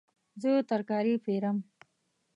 زه ترکاري پیرم